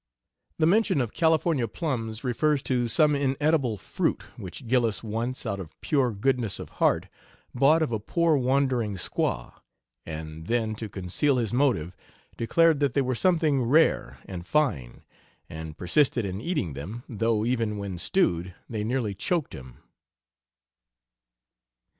The mention of "California plums" refers to some inedible fruit which Gillis once, out of pure goodness of heart, bought of a poor wandering squaw, and then, to conceal his motive, declared that they were something rare and fine, and persisted in eating them, though even when stewed they nearly choked him.